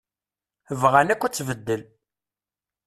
Bɣan akk ad tbeddel.